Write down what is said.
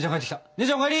姉ちゃんお帰り！